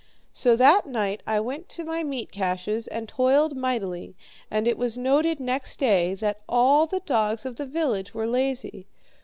So that night I went to my meat caches and toiled mightily, and it was noted next day that all the dogs of the village were lazy.